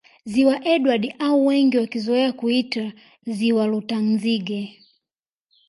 Ziwa Edward au wengi wakizoea kuita Ziwa Rutanzige